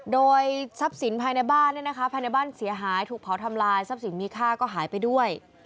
โดยทรัพย์สินภายในบ้านภายในบ้านเสียหายถูกเผาทำลายทรัพย์สินมีค่าก็หายไปด้วย